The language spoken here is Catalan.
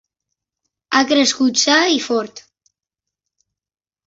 Ha crescut sa i fort.